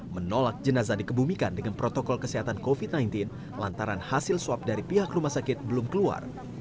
menolak jenazah dikebumikan dengan protokol kesehatan covid sembilan belas lantaran hasil swab dari pihak rumah sakit belum keluar